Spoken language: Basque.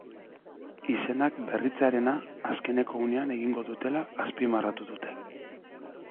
Izenak berritzearena azkeneko unean egingo dutela azpimarratu du.